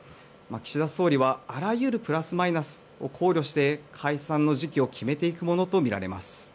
岸田総理はあらゆるプラスマイナスを考慮して解散の時期を決めていくものとみられます。